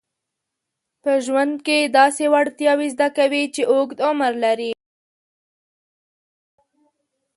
په ژوند کې داسې وړتیاوې زده کوي چې اوږد عمر ولري.